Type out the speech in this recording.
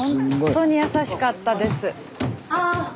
ほんとに優しかったです。